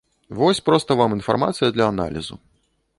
Вось проста вам інфармацыя для аналізу.